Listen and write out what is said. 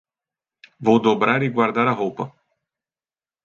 Vou dobrar e guardar a roupa.